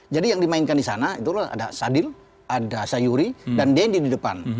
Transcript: jadi yang dimainkan di sana itu ada sadil ada sayuri dan dendy di depan